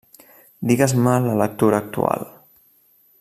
Digues-me la lectura actual.